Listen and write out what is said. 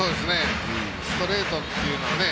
ストレートっていうのは。